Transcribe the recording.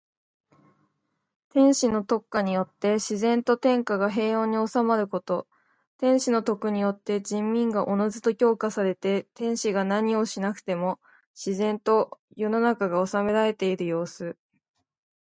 天子の徳化によって自然と天下が平穏に収まること。天子の徳によって人民がおのずと教化されて、天子が何をしなくても自然と世の中が治められているようす。